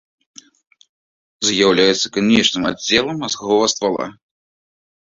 З'яўляецца канечным аддзелам мазгавога ствала.